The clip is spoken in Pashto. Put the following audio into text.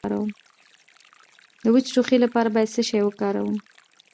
د وچ ټوخي لپاره باید څه شی وکاروم؟